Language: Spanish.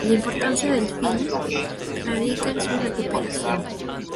La importancia del film radica en su recuperación.